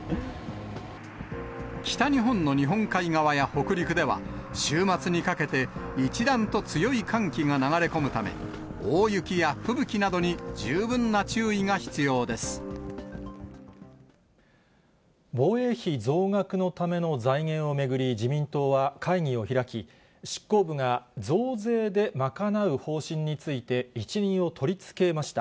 北日本の日本海側や北陸では、週末にかけて、一段と強い寒気が流れ込むため、大雪や吹雪などに十分な注意が必防衛費増額のための財源を巡り、自民党は会議を開き、執行部が増税で賄う方針について、一任を取り付けました。